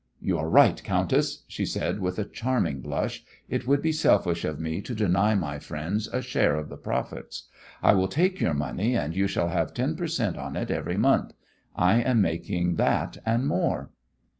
"You are right, countess," she said, with a charming blush. "It would be selfish of me to deny my friends a share of the profits. I will take your money, and you shall have ten per cent on it every month. I am making that and more.